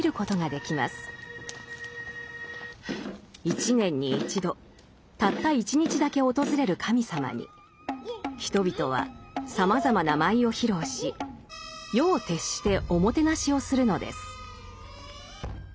一年に一度たった１日だけ訪れる神様に人々はさまざまな舞を披露し夜を徹しておもてなしをするのです。